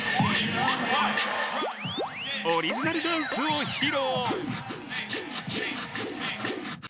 オリジナルダンスを披露。